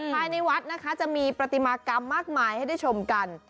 ภายในวัดนะคะจะมีปฏิมากรรมมากมายให้ได้ชมกัน